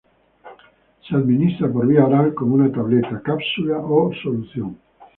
Se administra por vía oral como una tableta, cápsula o solución.